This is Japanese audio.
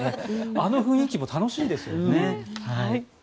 あの雰囲気も楽しいですよね。